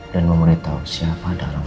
dan memberitahu siapa anda orang lainnya